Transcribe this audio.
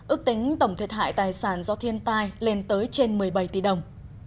ước tính tổng thiệt hại tài sản do thiên tai lên tới trên một mươi bảy tỷ đồng